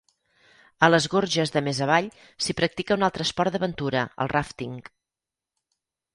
A les gorges de més avall, s'hi practica un altre esport d'aventura, el ràfting.